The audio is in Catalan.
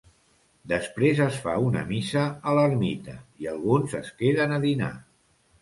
Després es fa una missa a l'ermita i alguns es queden a dinar.